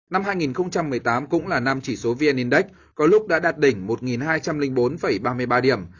năm hai nghìn một mươi tám cũng là năm chỉ số vn index có lúc đã đạt đỉnh một hai trăm linh bốn ba mươi ba điểm